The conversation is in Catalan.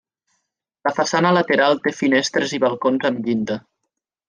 La façana lateral té finestres i balcons amb llinda.